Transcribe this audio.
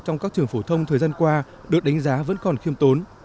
trong các trường phổ thông thời gian qua được đánh giá vẫn còn khiêm tốn